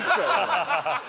ハハハハ！